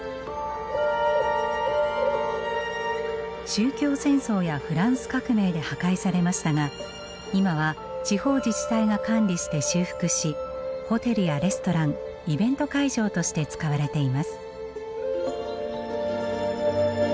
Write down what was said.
宗教戦争やフランス革命で破壊されましたが今は地方自治体が管理して修復しホテルやレストランイベント会場として使われています。